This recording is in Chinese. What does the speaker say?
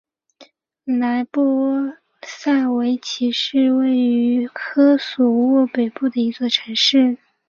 莱波萨维奇是位于科索沃北部的一座城市。